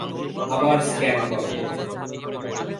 আবার স্ক্যান করো।